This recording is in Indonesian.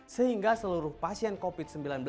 sehingga seluruh pasien covid sembilan belas